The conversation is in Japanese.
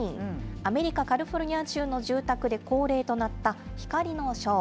アメリカ・カリフォルニア州の住宅で恒例となった光のショー。